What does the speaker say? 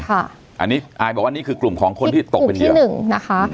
ค่ะอันนี้อายบอกว่านี่คือกลุ่มของคนที่ตกเป็นเดียวที่กลุ่มที่หนึ่งนะคะ